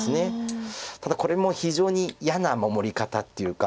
ただこれも非常に嫌な守り方っていうか。